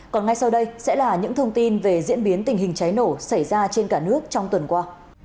còn ngay sau đây sẽ là những thông tin về diễn biến tình hình cháy nổ xảy ra trên cả nước trong tuần qua